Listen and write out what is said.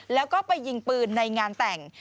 แล้วก็ไปยิงปืนในงานแต่ง